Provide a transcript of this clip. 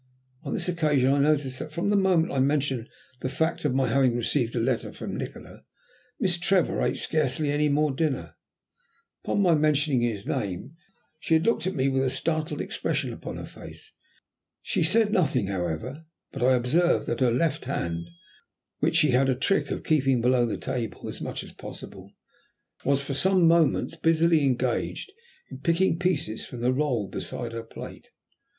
On this occasion I noticed that from the moment I mentioned the fact of my having received a letter from Nikola, Miss Trevor ate scarcely any more dinner. Upon my mentioning his name she had looked at me with a startled expression upon her face. She said nothing, however, but I observed that her left hand, which she had a trick of keeping below the table as much as possible, was for some moments busily engaged in picking pieces from the roll beside her plate.